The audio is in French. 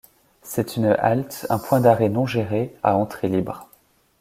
C'est une halte, un point d'arrêt non géré, à entrée libre.